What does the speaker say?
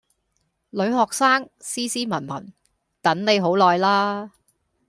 女學生，斯斯文文，等你好耐喇